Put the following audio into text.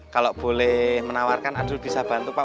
kalau boleh menawarkan adul bisa bantu pak